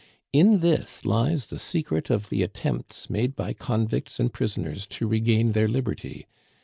In this lies the secret of the attempts made by convicts and prisoners to regain their liberty.